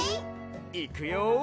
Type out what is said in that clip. いくよ？